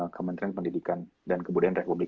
kementerian pendidikan dan kebudayaan republik